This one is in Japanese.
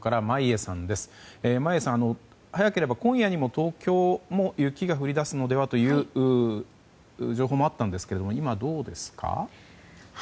眞家さん、早ければ今夜にも東京も雪が降り出すのではという情報もあったんですけど今、どうですか？